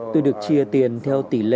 tôi được chia tiền theo tỷ lệ